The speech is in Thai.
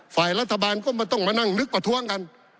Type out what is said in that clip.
ฝ่ายรัฐบาลก็ไม่ต้องมานั่งนึกประท้วงกัน